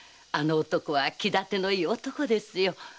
あの男は気立てのいい男ですよ。